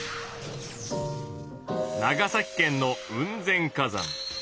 長崎県の雲仙火山。